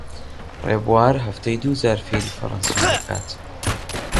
ڕێبوار هەفتەی دوو جار فێری فەڕەنسیم دەکات.